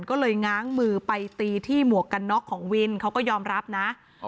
ก็เลยง้างมือไปตีที่หมวกกันน็อกของวินเขาก็ยอมรับนะ